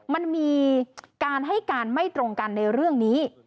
มันมีการให้การไม่ตรงกันในเรื่องนี้